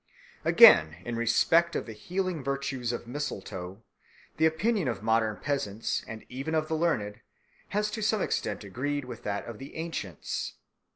Again, in respect of the healing virtues of mistletoe the opinion of modern peasants, and even of the learned, has to some extent agreed with that of the ancients.